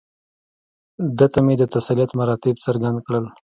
ده ته مې د تسلیت مراتب څرګند کړل.